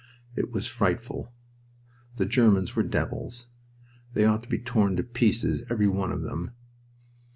It was frightful. The Germans were devils. They ought to be torn to pieces, every one of them.